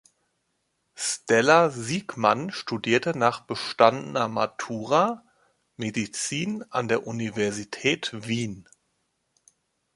Stella Siegmann studierte nach bestandener Matura Medizin an der Universität Wien.